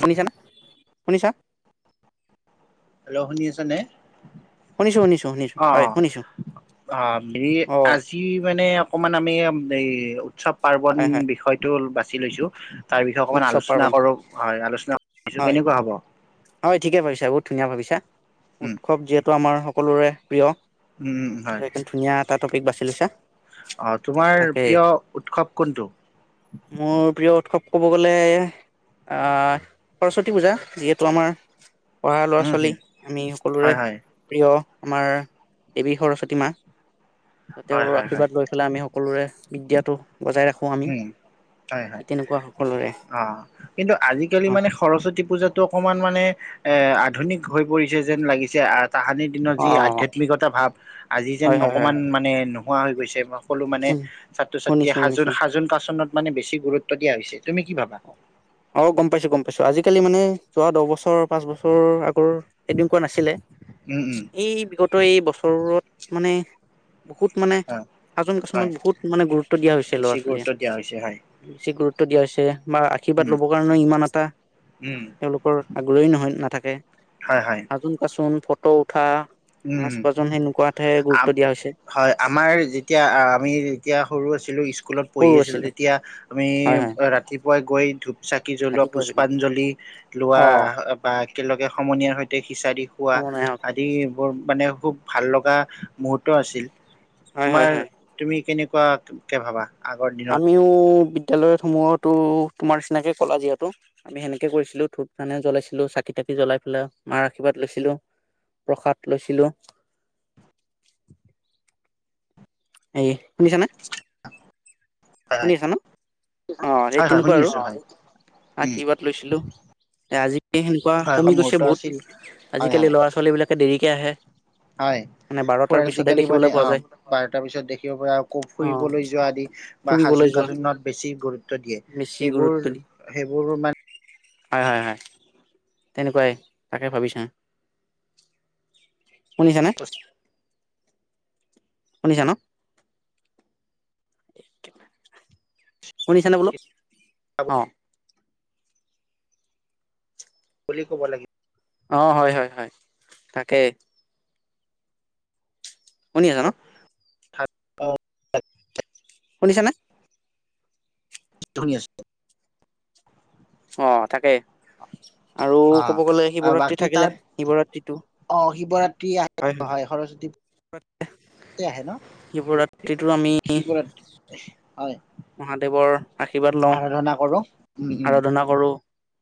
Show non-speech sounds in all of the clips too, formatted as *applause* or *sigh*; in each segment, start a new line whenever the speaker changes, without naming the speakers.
শুনিছা ন শুনিছা
হেল্ল' শুনি আছ নে
শুনিছো শুনিছো শুনিছো
অ অ
হয় শুনিছো
অহ
অ
আজি মানে অকমান আমি এই উৎসৱ পাৰ্বন
হয় হয়
বিষয়তটো বা চ লৈছো তাৰ বিষয়ে অকণমান
উৎসৱ
আলোচনা
পাৰ্বণ
কৰোঁ হয় আলোচনা কৰিছো
হয়
কেনেকুৱা হ'ব
হয় ঠিকে ভাবিছা বহুত ধুনীয়া ভাবিছা
উম
উৎসৱ যিহেতু আমাৰ সকলোৰে
উম
প্ৰিয় ধুনীয়া এটা টপিক বাচি হেললি ছাৰ
অহ তোমাৰ প্ৰিয় উৎসৱ কোনটো
মোৰ প্ৰিয় উৎসৱ ক'ব গ'লে অ সৰস্বতী পূজা যিহেতু আমাৰ পঢ়া ল'ৰা
উম হুম
ছোৱালী আমি সকলোৰে
হয় হয়
প্ৰিয়। আমাৰ দেৱী সৰস্বতী মা।
হয়
তেওঁৰ
হয় হয়
আৰ্শীৰ্বাদ লৈ পেলাই আমি সকলোৰে বিদ্যাটো বজাই ৰাখো আমি
উম হয় হয়
তেনেকুৱা সকলোৰে
অ কিন্তু আজিকালি
অ
মানে সৰস্বতী পূজাটো অকণমান মানে এ আধুনিক হৈ পৰিছে যেন লাগিছে আ তাহানিৰ দিনৰত
অ
যি আধ্যাত্মিকতা ভাৱ আজি যেন
হয় হয় হয়
অকণমান মানে নহোৱা হৈ গৈছে বাও। কলো মানে ছাত্ৰ ছাত্ৰীয়ে
শুনিছো
সাঁজ য
শুনিছো
হাজোন কচোনত মানে বেছি গুৰুত্ব দিয়া হৈছে। তুমি কি ভাবা?
অ গম পাইছো গম পাইছো আজিকালি মানে যোৱা দহ বছৰ পাঁচ বছৰ এনেকোৱা নাছিলে
উম উম
সেই বিগ ত এই বছৰত মানে বহুত মানে
হয়
সাজোন
হয়
কাচোনত বহুত মানে গুৰুত্ব দিয়া হৈছে
বেছি
ল'ৰা ছোৱালীয়ে
গুৰুত্ব দিয়া হৈছে হয়
বেছি গুৰুত্ব টো দিয়া হৈছে। বা আশীৰ্বাদ
উম
ল'ব কাৰণেও ইমান এটা
উম
তেওঁলোকৰ আগ্ৰহী নহয় নাথাকে
হয় হয়
হাজোন কাচোন ফ ত উঠা
উম
নাচ বাজন সেনেকুৱাতহে গুৰুত্ব দিয়া হৈছে
হয় আমাৰ যেতিয়া আমি যেতিয়া সৰু আছিলো স্কুলত পঢ়ি আছিলো তেতিয়া আমি
হয় হয়
ৰাতিপুৱা গৈ ধূপ চাকি জ্বলোৱা
ৰাতিপুৱা
পুষ্পাঞ্জলি লোৱা
অ
বা একেলগে সমনীয়াৰ সৈতে সিচাৰি খোৱা
সময় নাই
আদি মানে খুব ভাল লগা মুহূৰ্ত আছিল।
হয়
তোমাৰ
হয় হয়
তুমি কেনে কোৱাত কে ভাবা। আগৰ দিনত
আমিও বিদ্যালয়ত সমূহতো তোমাৰ নিচিনাকে কলা যিহেতু আমি সেনেকে কৰিছিলো ধোপ মানে জ্বলাইছিলো চাকি তাকি জ্বলাই পেলাই মাৰ আশীৰ্বাদ লৈছিলো প্ৰসাদ লৈছিলো। এ শুনিছানে,?
হয় হয়
শুনি আছা ন অ সেই
হয় হয়
তেনেকুৱা
শুনি
আৰু
আছো হয় উম
আশীৰ্বাদ লৈছিলো। আজি সেনেকুৱা
হয়
কমি
মুহুৰ্ত
গৈছে বহুত
আছিল হয়
আজিকালি
হয়
ল'ৰা ছোৱালী বিলাকে দেৰি কিয়হে?
হয় আজিকালি মানে
পোৱা
অ
যায়
বাৰটাৰ পিছত দেখিব পোৱা
অ
ফুৰিবলৈ যোৱা আদি বা
ফুৰিবলৈ
সাজোন
যোৱা
কাচোনত বেছি গুৰুত্ব দিয়ে
বেছি
সেইবোৰ
গুৰুত্ব দি
সেইবোৰ মানে
হয় হয় হয় তেনেকুৱাই তাকে ভাবিছ শুনিছানে শুনিছা ন শুনিছানে বোলো অ'
বুলি ক'ব লাগে
অ হয় হয় হয় তাকেই! শুনি আছা ন
সাত পাওঁ এ এ
শুনিছানে
শুনি আছোঁ।
অ' তাকেই। আৰু ক'ব গ'লে
অ
শিৱৰাত্ৰি
বাকী
থাকিলে।
তাৰ
শিৱৰাত্ৰিটো
অ শিৱৰাত্ৰি আহে
হয়
সৰস্বতী
হয়
পূজাতে আহে ন
শিৱৰাত্ৰিটো আমি
শিৱৰাত্ৰি হয়
মহাদেৱৰ আশীৰ্বাদ লওঁ,
আৰাধনা কৰো উম উম
আৰাধনা কৰোঁ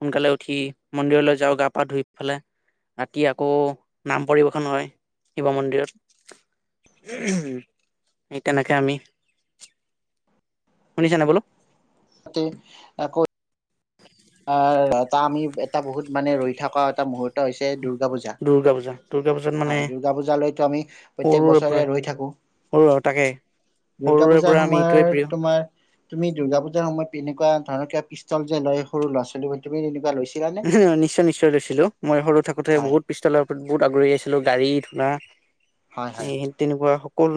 সোনকালে উঠি মন্দিৰলৈ যাওঁ, গা পা ধুই পেলাই, ৰাতি আকৌ নাম পৰিবেশন হয় শিৱ মন্দিৰত, সেই তেনেকে আমি শুনিছানে বোলো
তাতে আকৌ অ' এটা আমি বহুত মানে, ৰৈ থকা এটা মূহুৰ্ত হৈছে দূৰ
দুৰ্গা পূজা দুৰ্গা পূজাত মানে
হয়, দুৰ্গা পূজালৈতো আমি প্ৰত্যেক
সৰুৰে
বছৰে
পৰাই
ৰৈ থাকো।
সৰু আৰু তাকে
দুৰ্গা
সৰুৰে
পূজাৰ
পৰা আমি এইটোৱে
সময়ত তোমাৰ তুমি দুৰ্গা পূজাৰ সময়ত এনেকুৱা ধৰণৰ কিবা পিষ্টল যে লয় সৰু‌ ল'ৰা ছোৱালী বোৰে তুমিওঁ তেনেকুৱা লৈছিলা?
অ' নিশ্চয়, নিশ্চয়, লৈছিলোঁ মই সৰু থাকোতে
হয়
বহুত পিষ্টলৰ প্ৰতি, বহুত আগহী আছিলোঁ ললো গাড়ী ঘুনা
হয় হয়
নেতেনেকুৱা কৰো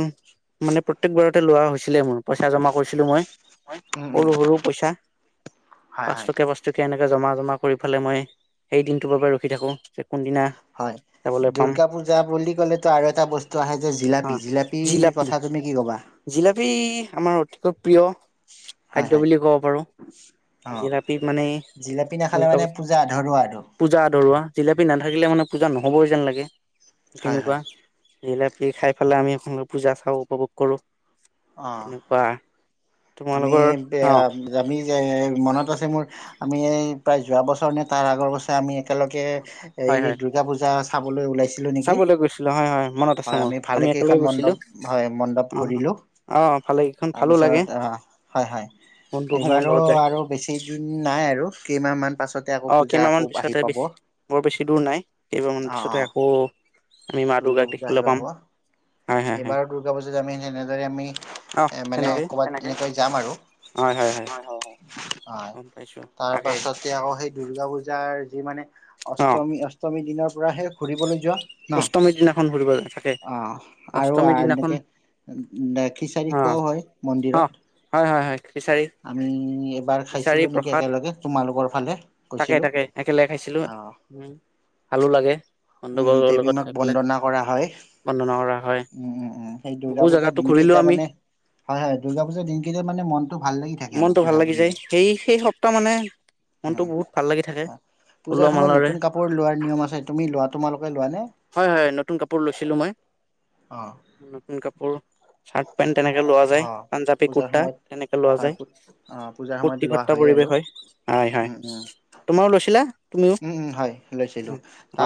মানে প্ৰত্যেকবাৰতে লোৱা হৈছিলে মোৰ, পইচা জমা কৰিছিলো মই
উম উম
সৰু সৰু পইচা
হয়
পাঁচ
হয়
টকীয়া পাঁচ টকীয়া এনেকে জমা জমা কৰি পেলাই মই, সেই দিনটোৰ বাবে ৰখি থাকোঁ।
হয় দুৰ্গা পূজা বুলি কলেটো আৰু এটা বস্তু আহে যে
হা
জিলাপি, জিলাপিৰ
জিলাপি
কথা তুমি কি কবা?
জিলাপি আমাৰ অতিকৈ প্ৰিয়
হয়
খাদ্য
হয়
বুলি ক'ব পাৰো
অ জিলাপি নাখ
দূৰ্গা পূজা আধৰুৱা জিলেপি না নাথাকিলে মানে পূজা নহ'বই যেন লাগে
হয়
তেনেকুৱা!
হয়
জিলাপি খাই পেলাই আমি পূজা চাওঁ, উপভোগ কৰোঁ।
অ
তেনেকুৱা
আমি,
তোমালোকৰ
যে
অ
আমি যে, ‌ মনত আছে মোৰ আমি এই প্ৰায় যোৱা বছৰ নে তাৰ আগৰ বছৰে আমি একেলগে এই
হয় হয়
দুৰ্গা পূজা খাবলৈ ওলাইছোঁ
চাবলৈ গৈছিলো হয়, ‌হয়, মনত আছে মোৰ
ভালে
আমি
কেইখন
একেলগে গৈছিলো,
মণ্ডপ হয় মণ্ডপ
অ,
ঘূৰিলো
অ, ভালেকেইখন, ভালো লাগে।
তাৰপিছত আহ হয়- হয়
বন্ধু সমুহৰ
এইবাৰো
লগত যায়
আৰু বেছি দিন নাই আৰু, কেইমাহমান।
অ', কেইমাহ মান পিছতহ বৰ বেছি দূৰ নাই কেইবান
অ
পিছতহে আকৌ আমি মা দুৰ্গাক দেখিবলৈ পাম। হয় হয় হয়
এইবাৰো দুৰ্গা পুজাত আমি তেনেদৰে আমি
আহ
এ মানে
তেনেকে
কবাত তেনেকৈ যাম আৰু হয়- হয় -হয়
গম পাইছো
-', তাৰ
তাকে
পাছতে আকৌ সেই দুৰ্গা পূজাৰ যি মানে
অ
অষ্টমী -অষ্টমী দিনৰ পুৰাহে ঘুৰিবলৈ যোৱা ন
অষ্টমীৰ দিনাখন ঘুৰিব যায় থাকে
অ', আৰু
অষ্টমীৰ দিনাখন
এনেকে খিচাৰি
অ
খোৱাও হয়
অ
মন্দিৰত।
হয় -হয় হয় খিচাৰি
আমি এবাৰ
খিচাৰি
খাইছিলো নেকি
প্ৰসাদ
একেলগে তোমালোকৰ ফালে
তাকে
গৈছিলো।
তাকে একেলগে খাইছিলো
অ',
উম ভালো লাগে। বন্ধু
উম',
বৰ্গৰ
দেৱী
লগত
মাক
খাই পেলাই
বন্দনা কৰা হয়
বন্দনা কৰা হয়
উম -উম -উম সেই দুৰ্গা
বহু
পূজাৰ
জেগাতো
দিন
ঘূৰিলো
কেইটা
আমি
মানে হয়- হয় দুৰ্গা পূজাৰ দিন কেইটা মানে মন ভাল লাগি থাকে আৰু
মনটো ভাল
পজা
লাগি যায়
বুলে
সেই সেই সপ্তাহ মানে মনটো বহুত ভাল লাগি থাকে
পূজাৰ
ওলোৱা
সময়ত
মালৰে
নতুন কাপোৰ লোৱাৰ নিয়ম আছে তুমি লোৱা তোমালোকে লোৱা নে?
হয়- হয় নতুন কাপোৰ লৈছিলো মই।
অ',
নতুন কাপোৰ চাৰ্ট পেণ্ট, তেনেকে লোৱা যায়
অ',
পাঞ্জাৱী
পূজাৰ
কুুৰ্তা
সময়ত
তেনেকে লোৱা
হয়,
যায়।
অ', পূজাৰ সময়ত
ফূৰ্তি
লোৱা
ফত্তা
হয়ে
পৰিৱেশ
আৰু।
হয়- হয় -হয়
উম, উম,
তোমাৰো লৈছিলা? তুমিও
উম -উম হয় লৈছিলো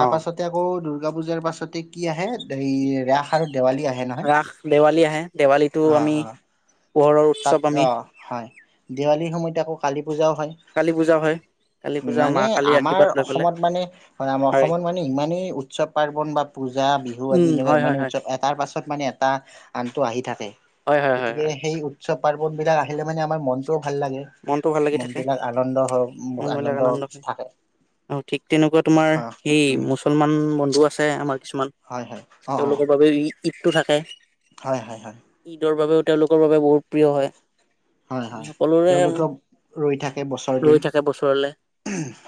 অ
পাছতে আকৌ দুৰ্গা পূজাৰ পাছতে কি আহে? এই ৰাস আৰু দেৱালী আহে নহয়?
ৰাস দেৱালী আহে দেৱালীটো
অ',
আমি
অ'।
পোহৰৰ
তাত
উৎসৱ আমি
অ', হয়', দেৱালীত সময়ত আকৌ কালি পূজাও হয়,
কালী পূজা হয় কালী পূজা মা
মানে
কালীৰ
আমাৰ
আশীৰ্বাদ লৈ পেলাই
অসমত মানে হয়, আমাৰ অসমত মানে ইমানেই উৎসৱ পাৰৰ্বণ বা পূজা বিহু আদি
উম
এনেকুৱা
হয় হয়
ইমানেই
হয়
উৎসৱ এটাৰ পাছত মানে এটা আনটো আহি থাকে।
হয় হয় হয়
গতিকে
হয়
এই উৎসৱ পাৰ্বন বিলাক আহিলে মানে আমাৰ মনটো
মনতটো ভাল লাগি থাকে
হওক
মনবিলাক আনন্দ হয়
থাকে
আৰু ঠিক তেনেকুৱা তোমাৰ
অ
সেই
উম
মুছলমান বন্ধু আ', আছে আমাৰ কিছুমান
হয় হয় অ অ
তেওঁলোকৰ বাবে ঈদ ঈদটো থাকে
হয় হয় হয়
ঈদৰ বাবেও তেওঁলোকৰ বাবে বহুত প্ৰিয় হয়
হয়
আমি
হয়
সকলোৰে
তেওঁলোকে ৰৈ থাকে বছৰ
ৰৈ
দিন
থাকে বছৰলে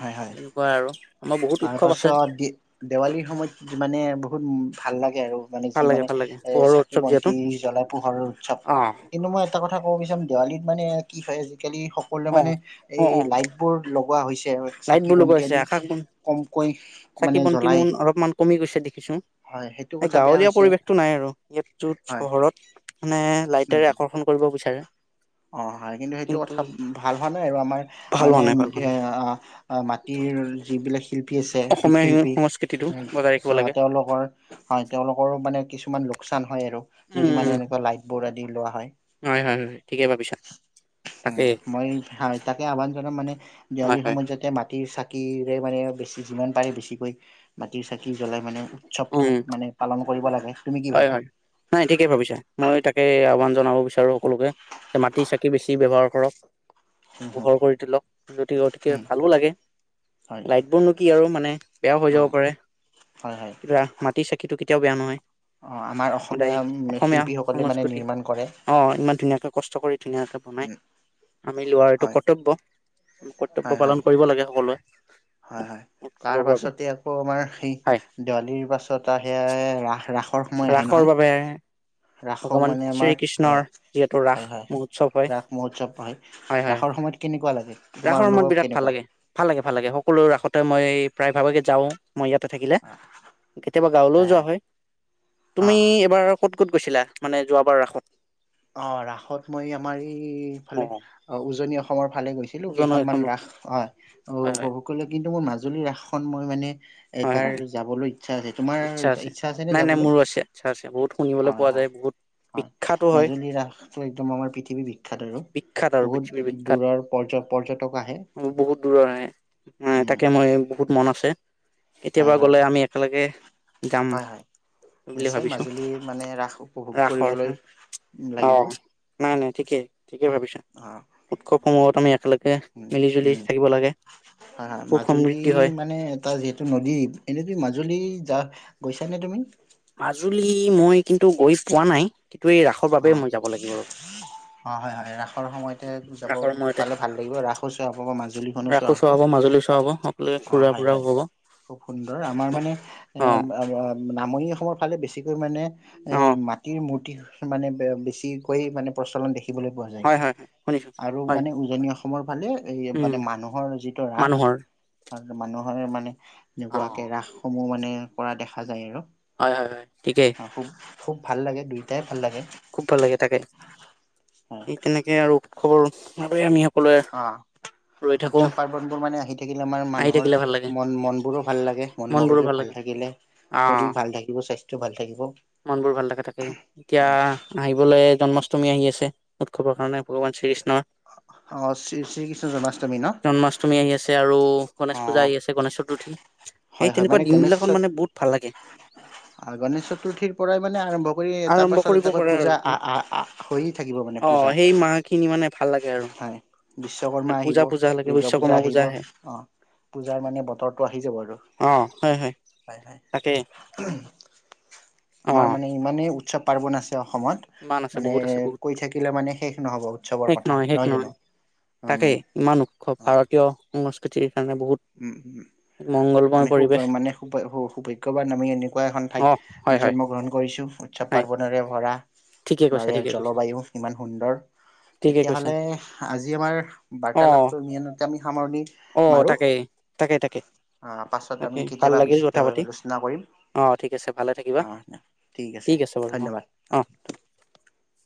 হয় হয়
তেনেকুৱা আৰু আমাৰ বহুত
তাৰ
উৎসৱ আছে
পাছত দে দেৱালীৰ সময়ত মানে বহুত ভাল লাগে আৰু মানে যি
ভাল লাগে
মানে
ভাল লাগে
এ
পোহৰৰ
চাকি
উৎসৱ
বন্তি
যিহেতু
জ্বলাই পোহৰ উৎসৱ
অ
কিন্তু মই এটা কথা অ পিচে দেৱালীত মানে কি হয় সকলোৱে
অ
মানে
অ
এই
অ
লাইট বোৰ লগোৱা হৈছে
লাইট
চাকি
বোৰ
বন্তি
লগোৱাইছে
আদি
আকাশ বন
কমকৈ
চাকি
মানে
বন্তি
জ্বলাই
বোৰ অলপমান কমি গৈছে দেখিছো
হয় সেইটো
এই
কথা বেয়া
গাঁৱলীয়া
হৈছে
পৰিৱেশতটো নাই আৰু ইয়াত যত
হয়
চহৰত মানে
উম
লাইটেৰে আকৰ্ষণ কৰিব বিচাৰে
অ হয় কিন্তু সেইটো কথা ভাল হোৱা নাই আৰু আমাৰ
ভাল
মানে
হোৱা নাই ভাল হোৱা নাই
মাটিৰ যিবিলাক শিল্পী আছে
অসমীয়া
পৃঠশিল্পী
সংস্কৃতিটো বজাই ৰাখিব লাগে
তেওঁলোকৰ হয় তেওঁলোকৰো মানে কিছুমান লোকচান হয় আৰু যদি মানে
উম
এনেকুৱা লাইট বোৰ দি লোৱা হয়
হয় হয় হয় ঠিকে ভাবিছা
উম
তাকেই
মই তাকে আহ্বান জনাম মানে
হয়
দেৱালীৰ
হয়
সময়ত যাতে মাটিৰ চাকি বাকীৰে মানে বেছি যিমান পাৰে বেছিকৈ মাটিৰ চাকি জ্বলাই মানে উৎসৱটো
উম
মানে পালন কৰিব লাগে তুমি কি
হয়
ভাবা
হয় নাই ঠিকেই ভাবিছা মই তাকে আহ্বান জনাব বিচাৰো সকলোকে যে মাটি চাকি বেছি ব্যৱহাৰ ধৰক
হুম হুম
পোহৰ কৰি তোলক যদি গতিকে
হুম
ভালো লাগে
হয়
লাইট বোৰ নো কি আৰু মানে বেয়াও হৈ
অ
যাব পাৰে
হয়
মাটি চাকিটো কেতিয়াও বেয়া নহয়।
অহ আমাৰ
সদায়
অসমীয়া শিল্পীসকলে মানে
সংস্কৃতি
নিৰ্মাণ কৰে।
ধুনীয়াকৈ বনাই।
উম,
আমি লোৱাৰ এইটো
হয়,
কৰ্তব্য আমি কৰ্তব্য, পালন কৰিব লাগে সকলোৱে।
হয়-হয়।
উৎসৱৰ
তাৰ
বাবে
পাছতে আকৌ আমাৰ, সেই
হয়
দেৱালিৰ পাছত আহ সে ৰাস-ৰাস
ৰাসৰ বাবে
ৰাসো
ভগৱান
মানে আমাৰ
শ্ৰীকৃষ্ণৰ
হয়,
যিহেতু ৰাস
হয়, হয়,
মহোৎসৱ হয়।
ৰাস মহোৎসৱ হয়।
হয়।
ৰাসৰ সময়ত কেনেকুৱা লাগে তোমাৰ
ৰাসৰ সময়ত
অনুভৱ
বিৰাট ভাল
কেনেকুৱা?
লাগে ভাললাগে-ভাল লাগে সকলো ৰাসতে মই প্ৰায় ভাৱোগে যাওঁ মই ইয়াতে থাকিলে, কেতিয়াবা গাঁৱলৈও যোৱা হয়। তুমি
অ',
এবাৰ ক'ত কুত গৈছিলা? মানে যোৱাবাৰ ৰাখো
অ ৰাসত মই আমাৰ।
অ
ফালে অ উজনি অসমৰ ফালে গৈছিলো, কেইখনমান
জনসেষম
ৰাস হয়
হয় হয়
উপভোগ কৰিলোঁ, কিন্তু মোৰ মাজুলীৰ ৰাস খন মই মানে
হয়
এইবাৰ
হয়
যাবলৈ, ইচ্ছা আছে, তোমাৰ
ইচ্ছা আছে। নাই-নাই মোৰো আছে, ইচ্ছা আছে বহুত শুনিবলৈ পোৱা যায় বহুত
হয়-হয়-হয়।
বিখ্যাতো হয়
মাজুলীৰ ৰাসটো একদম আমাৰ পৃথিৱী বিখ্যাত আৰু
বিখ্যাত আৰু পৃথিৱীৰ
বহুত
বিখ্যাত
দূৰৰ পৰ্য-পৰ্যটক আহে
বহুত দূৰৰ আহে নাই তাকে
উ।
মই বহুত মন আছে। কেতিয়াবা গ'লে আমি একেলগে। যাম
হয়-হয়।
বুলি
নিশ্চয়,
ভাবিছো
মাজুল মানে ৰাস উপভোগ
ৰাসৰ
কৰিবলৈ
অ
লাগিব।
নাই নাই ঠিকেই ঠিকেই
অ
উৎসৱসমূহত আমি একেলগে
উম
মিলি জুলি
উম
থাকিব লাগে, সুখ সমৃদ্ধি হয়।
টো নদী এনেক মাজুলী যাহ গৈছা নে তুমি?
মাজুলী মই কিন্তু গৈ পোৱা নাই। কিন্তু এই ৰাসৰ
অ,
বাবে মই যাব লাগিব আৰু
অ, হয়-হয় ৰাসৰ সময়তে যাব
ৰাসৰ সময়তে
পালে ভাল লাগিব, ৰাসো চোৱা হব বা মাজুলীখনো চোৱা
ৰাসো
হ'ব।
মাজুলী চোৱা হ'ব সকলোৱে
অ,
ঘূৰা ফুৰাও
হয়-হয়
হ'ব
খুব সুন্দৰ আমাৰ মানে এ
অ
নামৰনি। অসমৰ ফালে বেছিকৈ মানে এ
অ
মাটিৰ মূৰ্তি। মানে, বেছিকৈ মানে প্ৰচলন দেখি। দেখিবলৈ পোৱা যায়
হয় হয় হয় শুনিছো
আৰু
হয়
মানে উজনি অসম। ভালে এই
উম
মানে মানুহৰ যিটো ৰাস,
মানুহৰ
মানুহ হয় মানে
অ
এনেকুৱাকে ৰাসসমূহ মানে কৰা দেখা যায় আৰু
হয় হয় হয় ঠিকেই।
অ' খুব খুব ভাল লাগে দুইোটাই
খুব ভাল লাগে তাকে
হয়
তেনেকে আৰু খবৰ বাবে আমি সকলোৱে
অ
ৰৈ থাকো
উৎসৱ পাৰ্বনবোৰ মানে আহি থাকিলে আমাৰ
আহি
মানুহৰ
থাকিলে ভাল লাগে
মন মন বোৰো ভাল লাগে, মন মগজু ভাল থাকিলে
অ
শৰীৰ ভাল থাকিব স্বাস্থ্য ভাল থাকিব হয়।
জন্মষ্টমী আহি আছে উৎসৱৰ কাৰণে ভগৱান শ্ৰী
অ শ্ৰী শ্ৰী কৃষ্ণ জন্মাষ্টমী ন?
জন্মাষ্টমী আহি আছে আৰু গণেশ
অ
পূজা আহি আছে গণে চতুৰ্থী এই
হয় হয়
তেনেকুৱা দিন বিলাকত মানে বহুত ভাল লাগে।
আৰু গণেশ চতুৰ্থীৰ পৰাই মানে আৰম্ভ কৰি এটা
আৰম্ভ
পাছত
কৰিব
এটাকৈ
পাৰে আৰু
পূজা আহ আহ আহ হৈয়ে থাকিব মানে
অ
পূজা।
সেই মাহ খিনি মানে ভাল লাগে আৰু
হয়
মানে
বিশ্বকৰ্মা
পূজা
আহিব,
পূজা লাগে
দুৰ্গা পূজা
বিশ্বকৰ্মা
আহিব,
আহে
অহ পূজাৰ মানে বতৰটো আহি যাব আৰু।
অ হয় হয় তাকে অ
আমাৰ মানে ইমানেই উৎসৱ পাৰৱণ আছে অসমত
ইমান আছে
মানে
বহুত আছে বহুত
কৈ থাকিলে মানে শেষ নহ'ব উৎসৱৰ কথা নহয় জানো।
তাকে ইমান উৎসৱ
উম
ভাৰতীয় সংস্কৃতিৰ। কাৰণে বহুত
উম
মংগলময়
আমি খুব
পৰিৱেশ
মানে সোভাগ্যবান আমি এনেকুৱা এখন ঠাইত
অ
আমি
হয় হয়
জন্ম গ্ৰহণ কৰিছো উৎসৱ
নাই
পাৰ্বনেৰে ভৰা
ঠিকে
বা
কৈছা
ইয়াৰ
ঠিকে কৈছা
জলবায়ু ইমান সুন্দৰ
ঠিকে
তেতিয়া
কৈছা
হলে আজি আমাৰ
অ
বাৰ্তালাপটো ইমানতে আমি সামৰণি
অ
মাৰো।
তাকেই তাকে তাকে
আহ পাছত
তাকে
আমি
ভাল
কেতিয়াবা
লাগিল কথা পাতি
বিস্তৃতভাৱে আলোচনা কৰিম
অঁ ঠিক আছে ভালে থাকিবা ঠিক আছে বাৰু অঁ অঁ। *unintelligible*